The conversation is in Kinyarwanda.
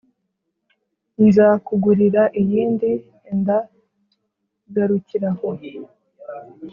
nzakugurira iyindi, enda garukira aho.’